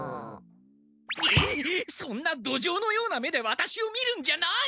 えっそんなどじょうのような目でワタシを見るんじゃない！